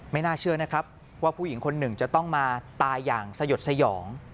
น่าเชื่อนะครับว่าผู้หญิงคนหนึ่งจะต้องมาตายอย่างสยดสยอง